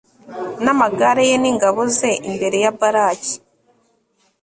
n'amagare ye, n'ingabo ze imbere ya baraki